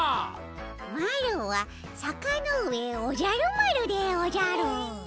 マロは坂ノ上おじゃる丸でおじゃる。